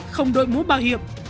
không đội mũ bảo hiểm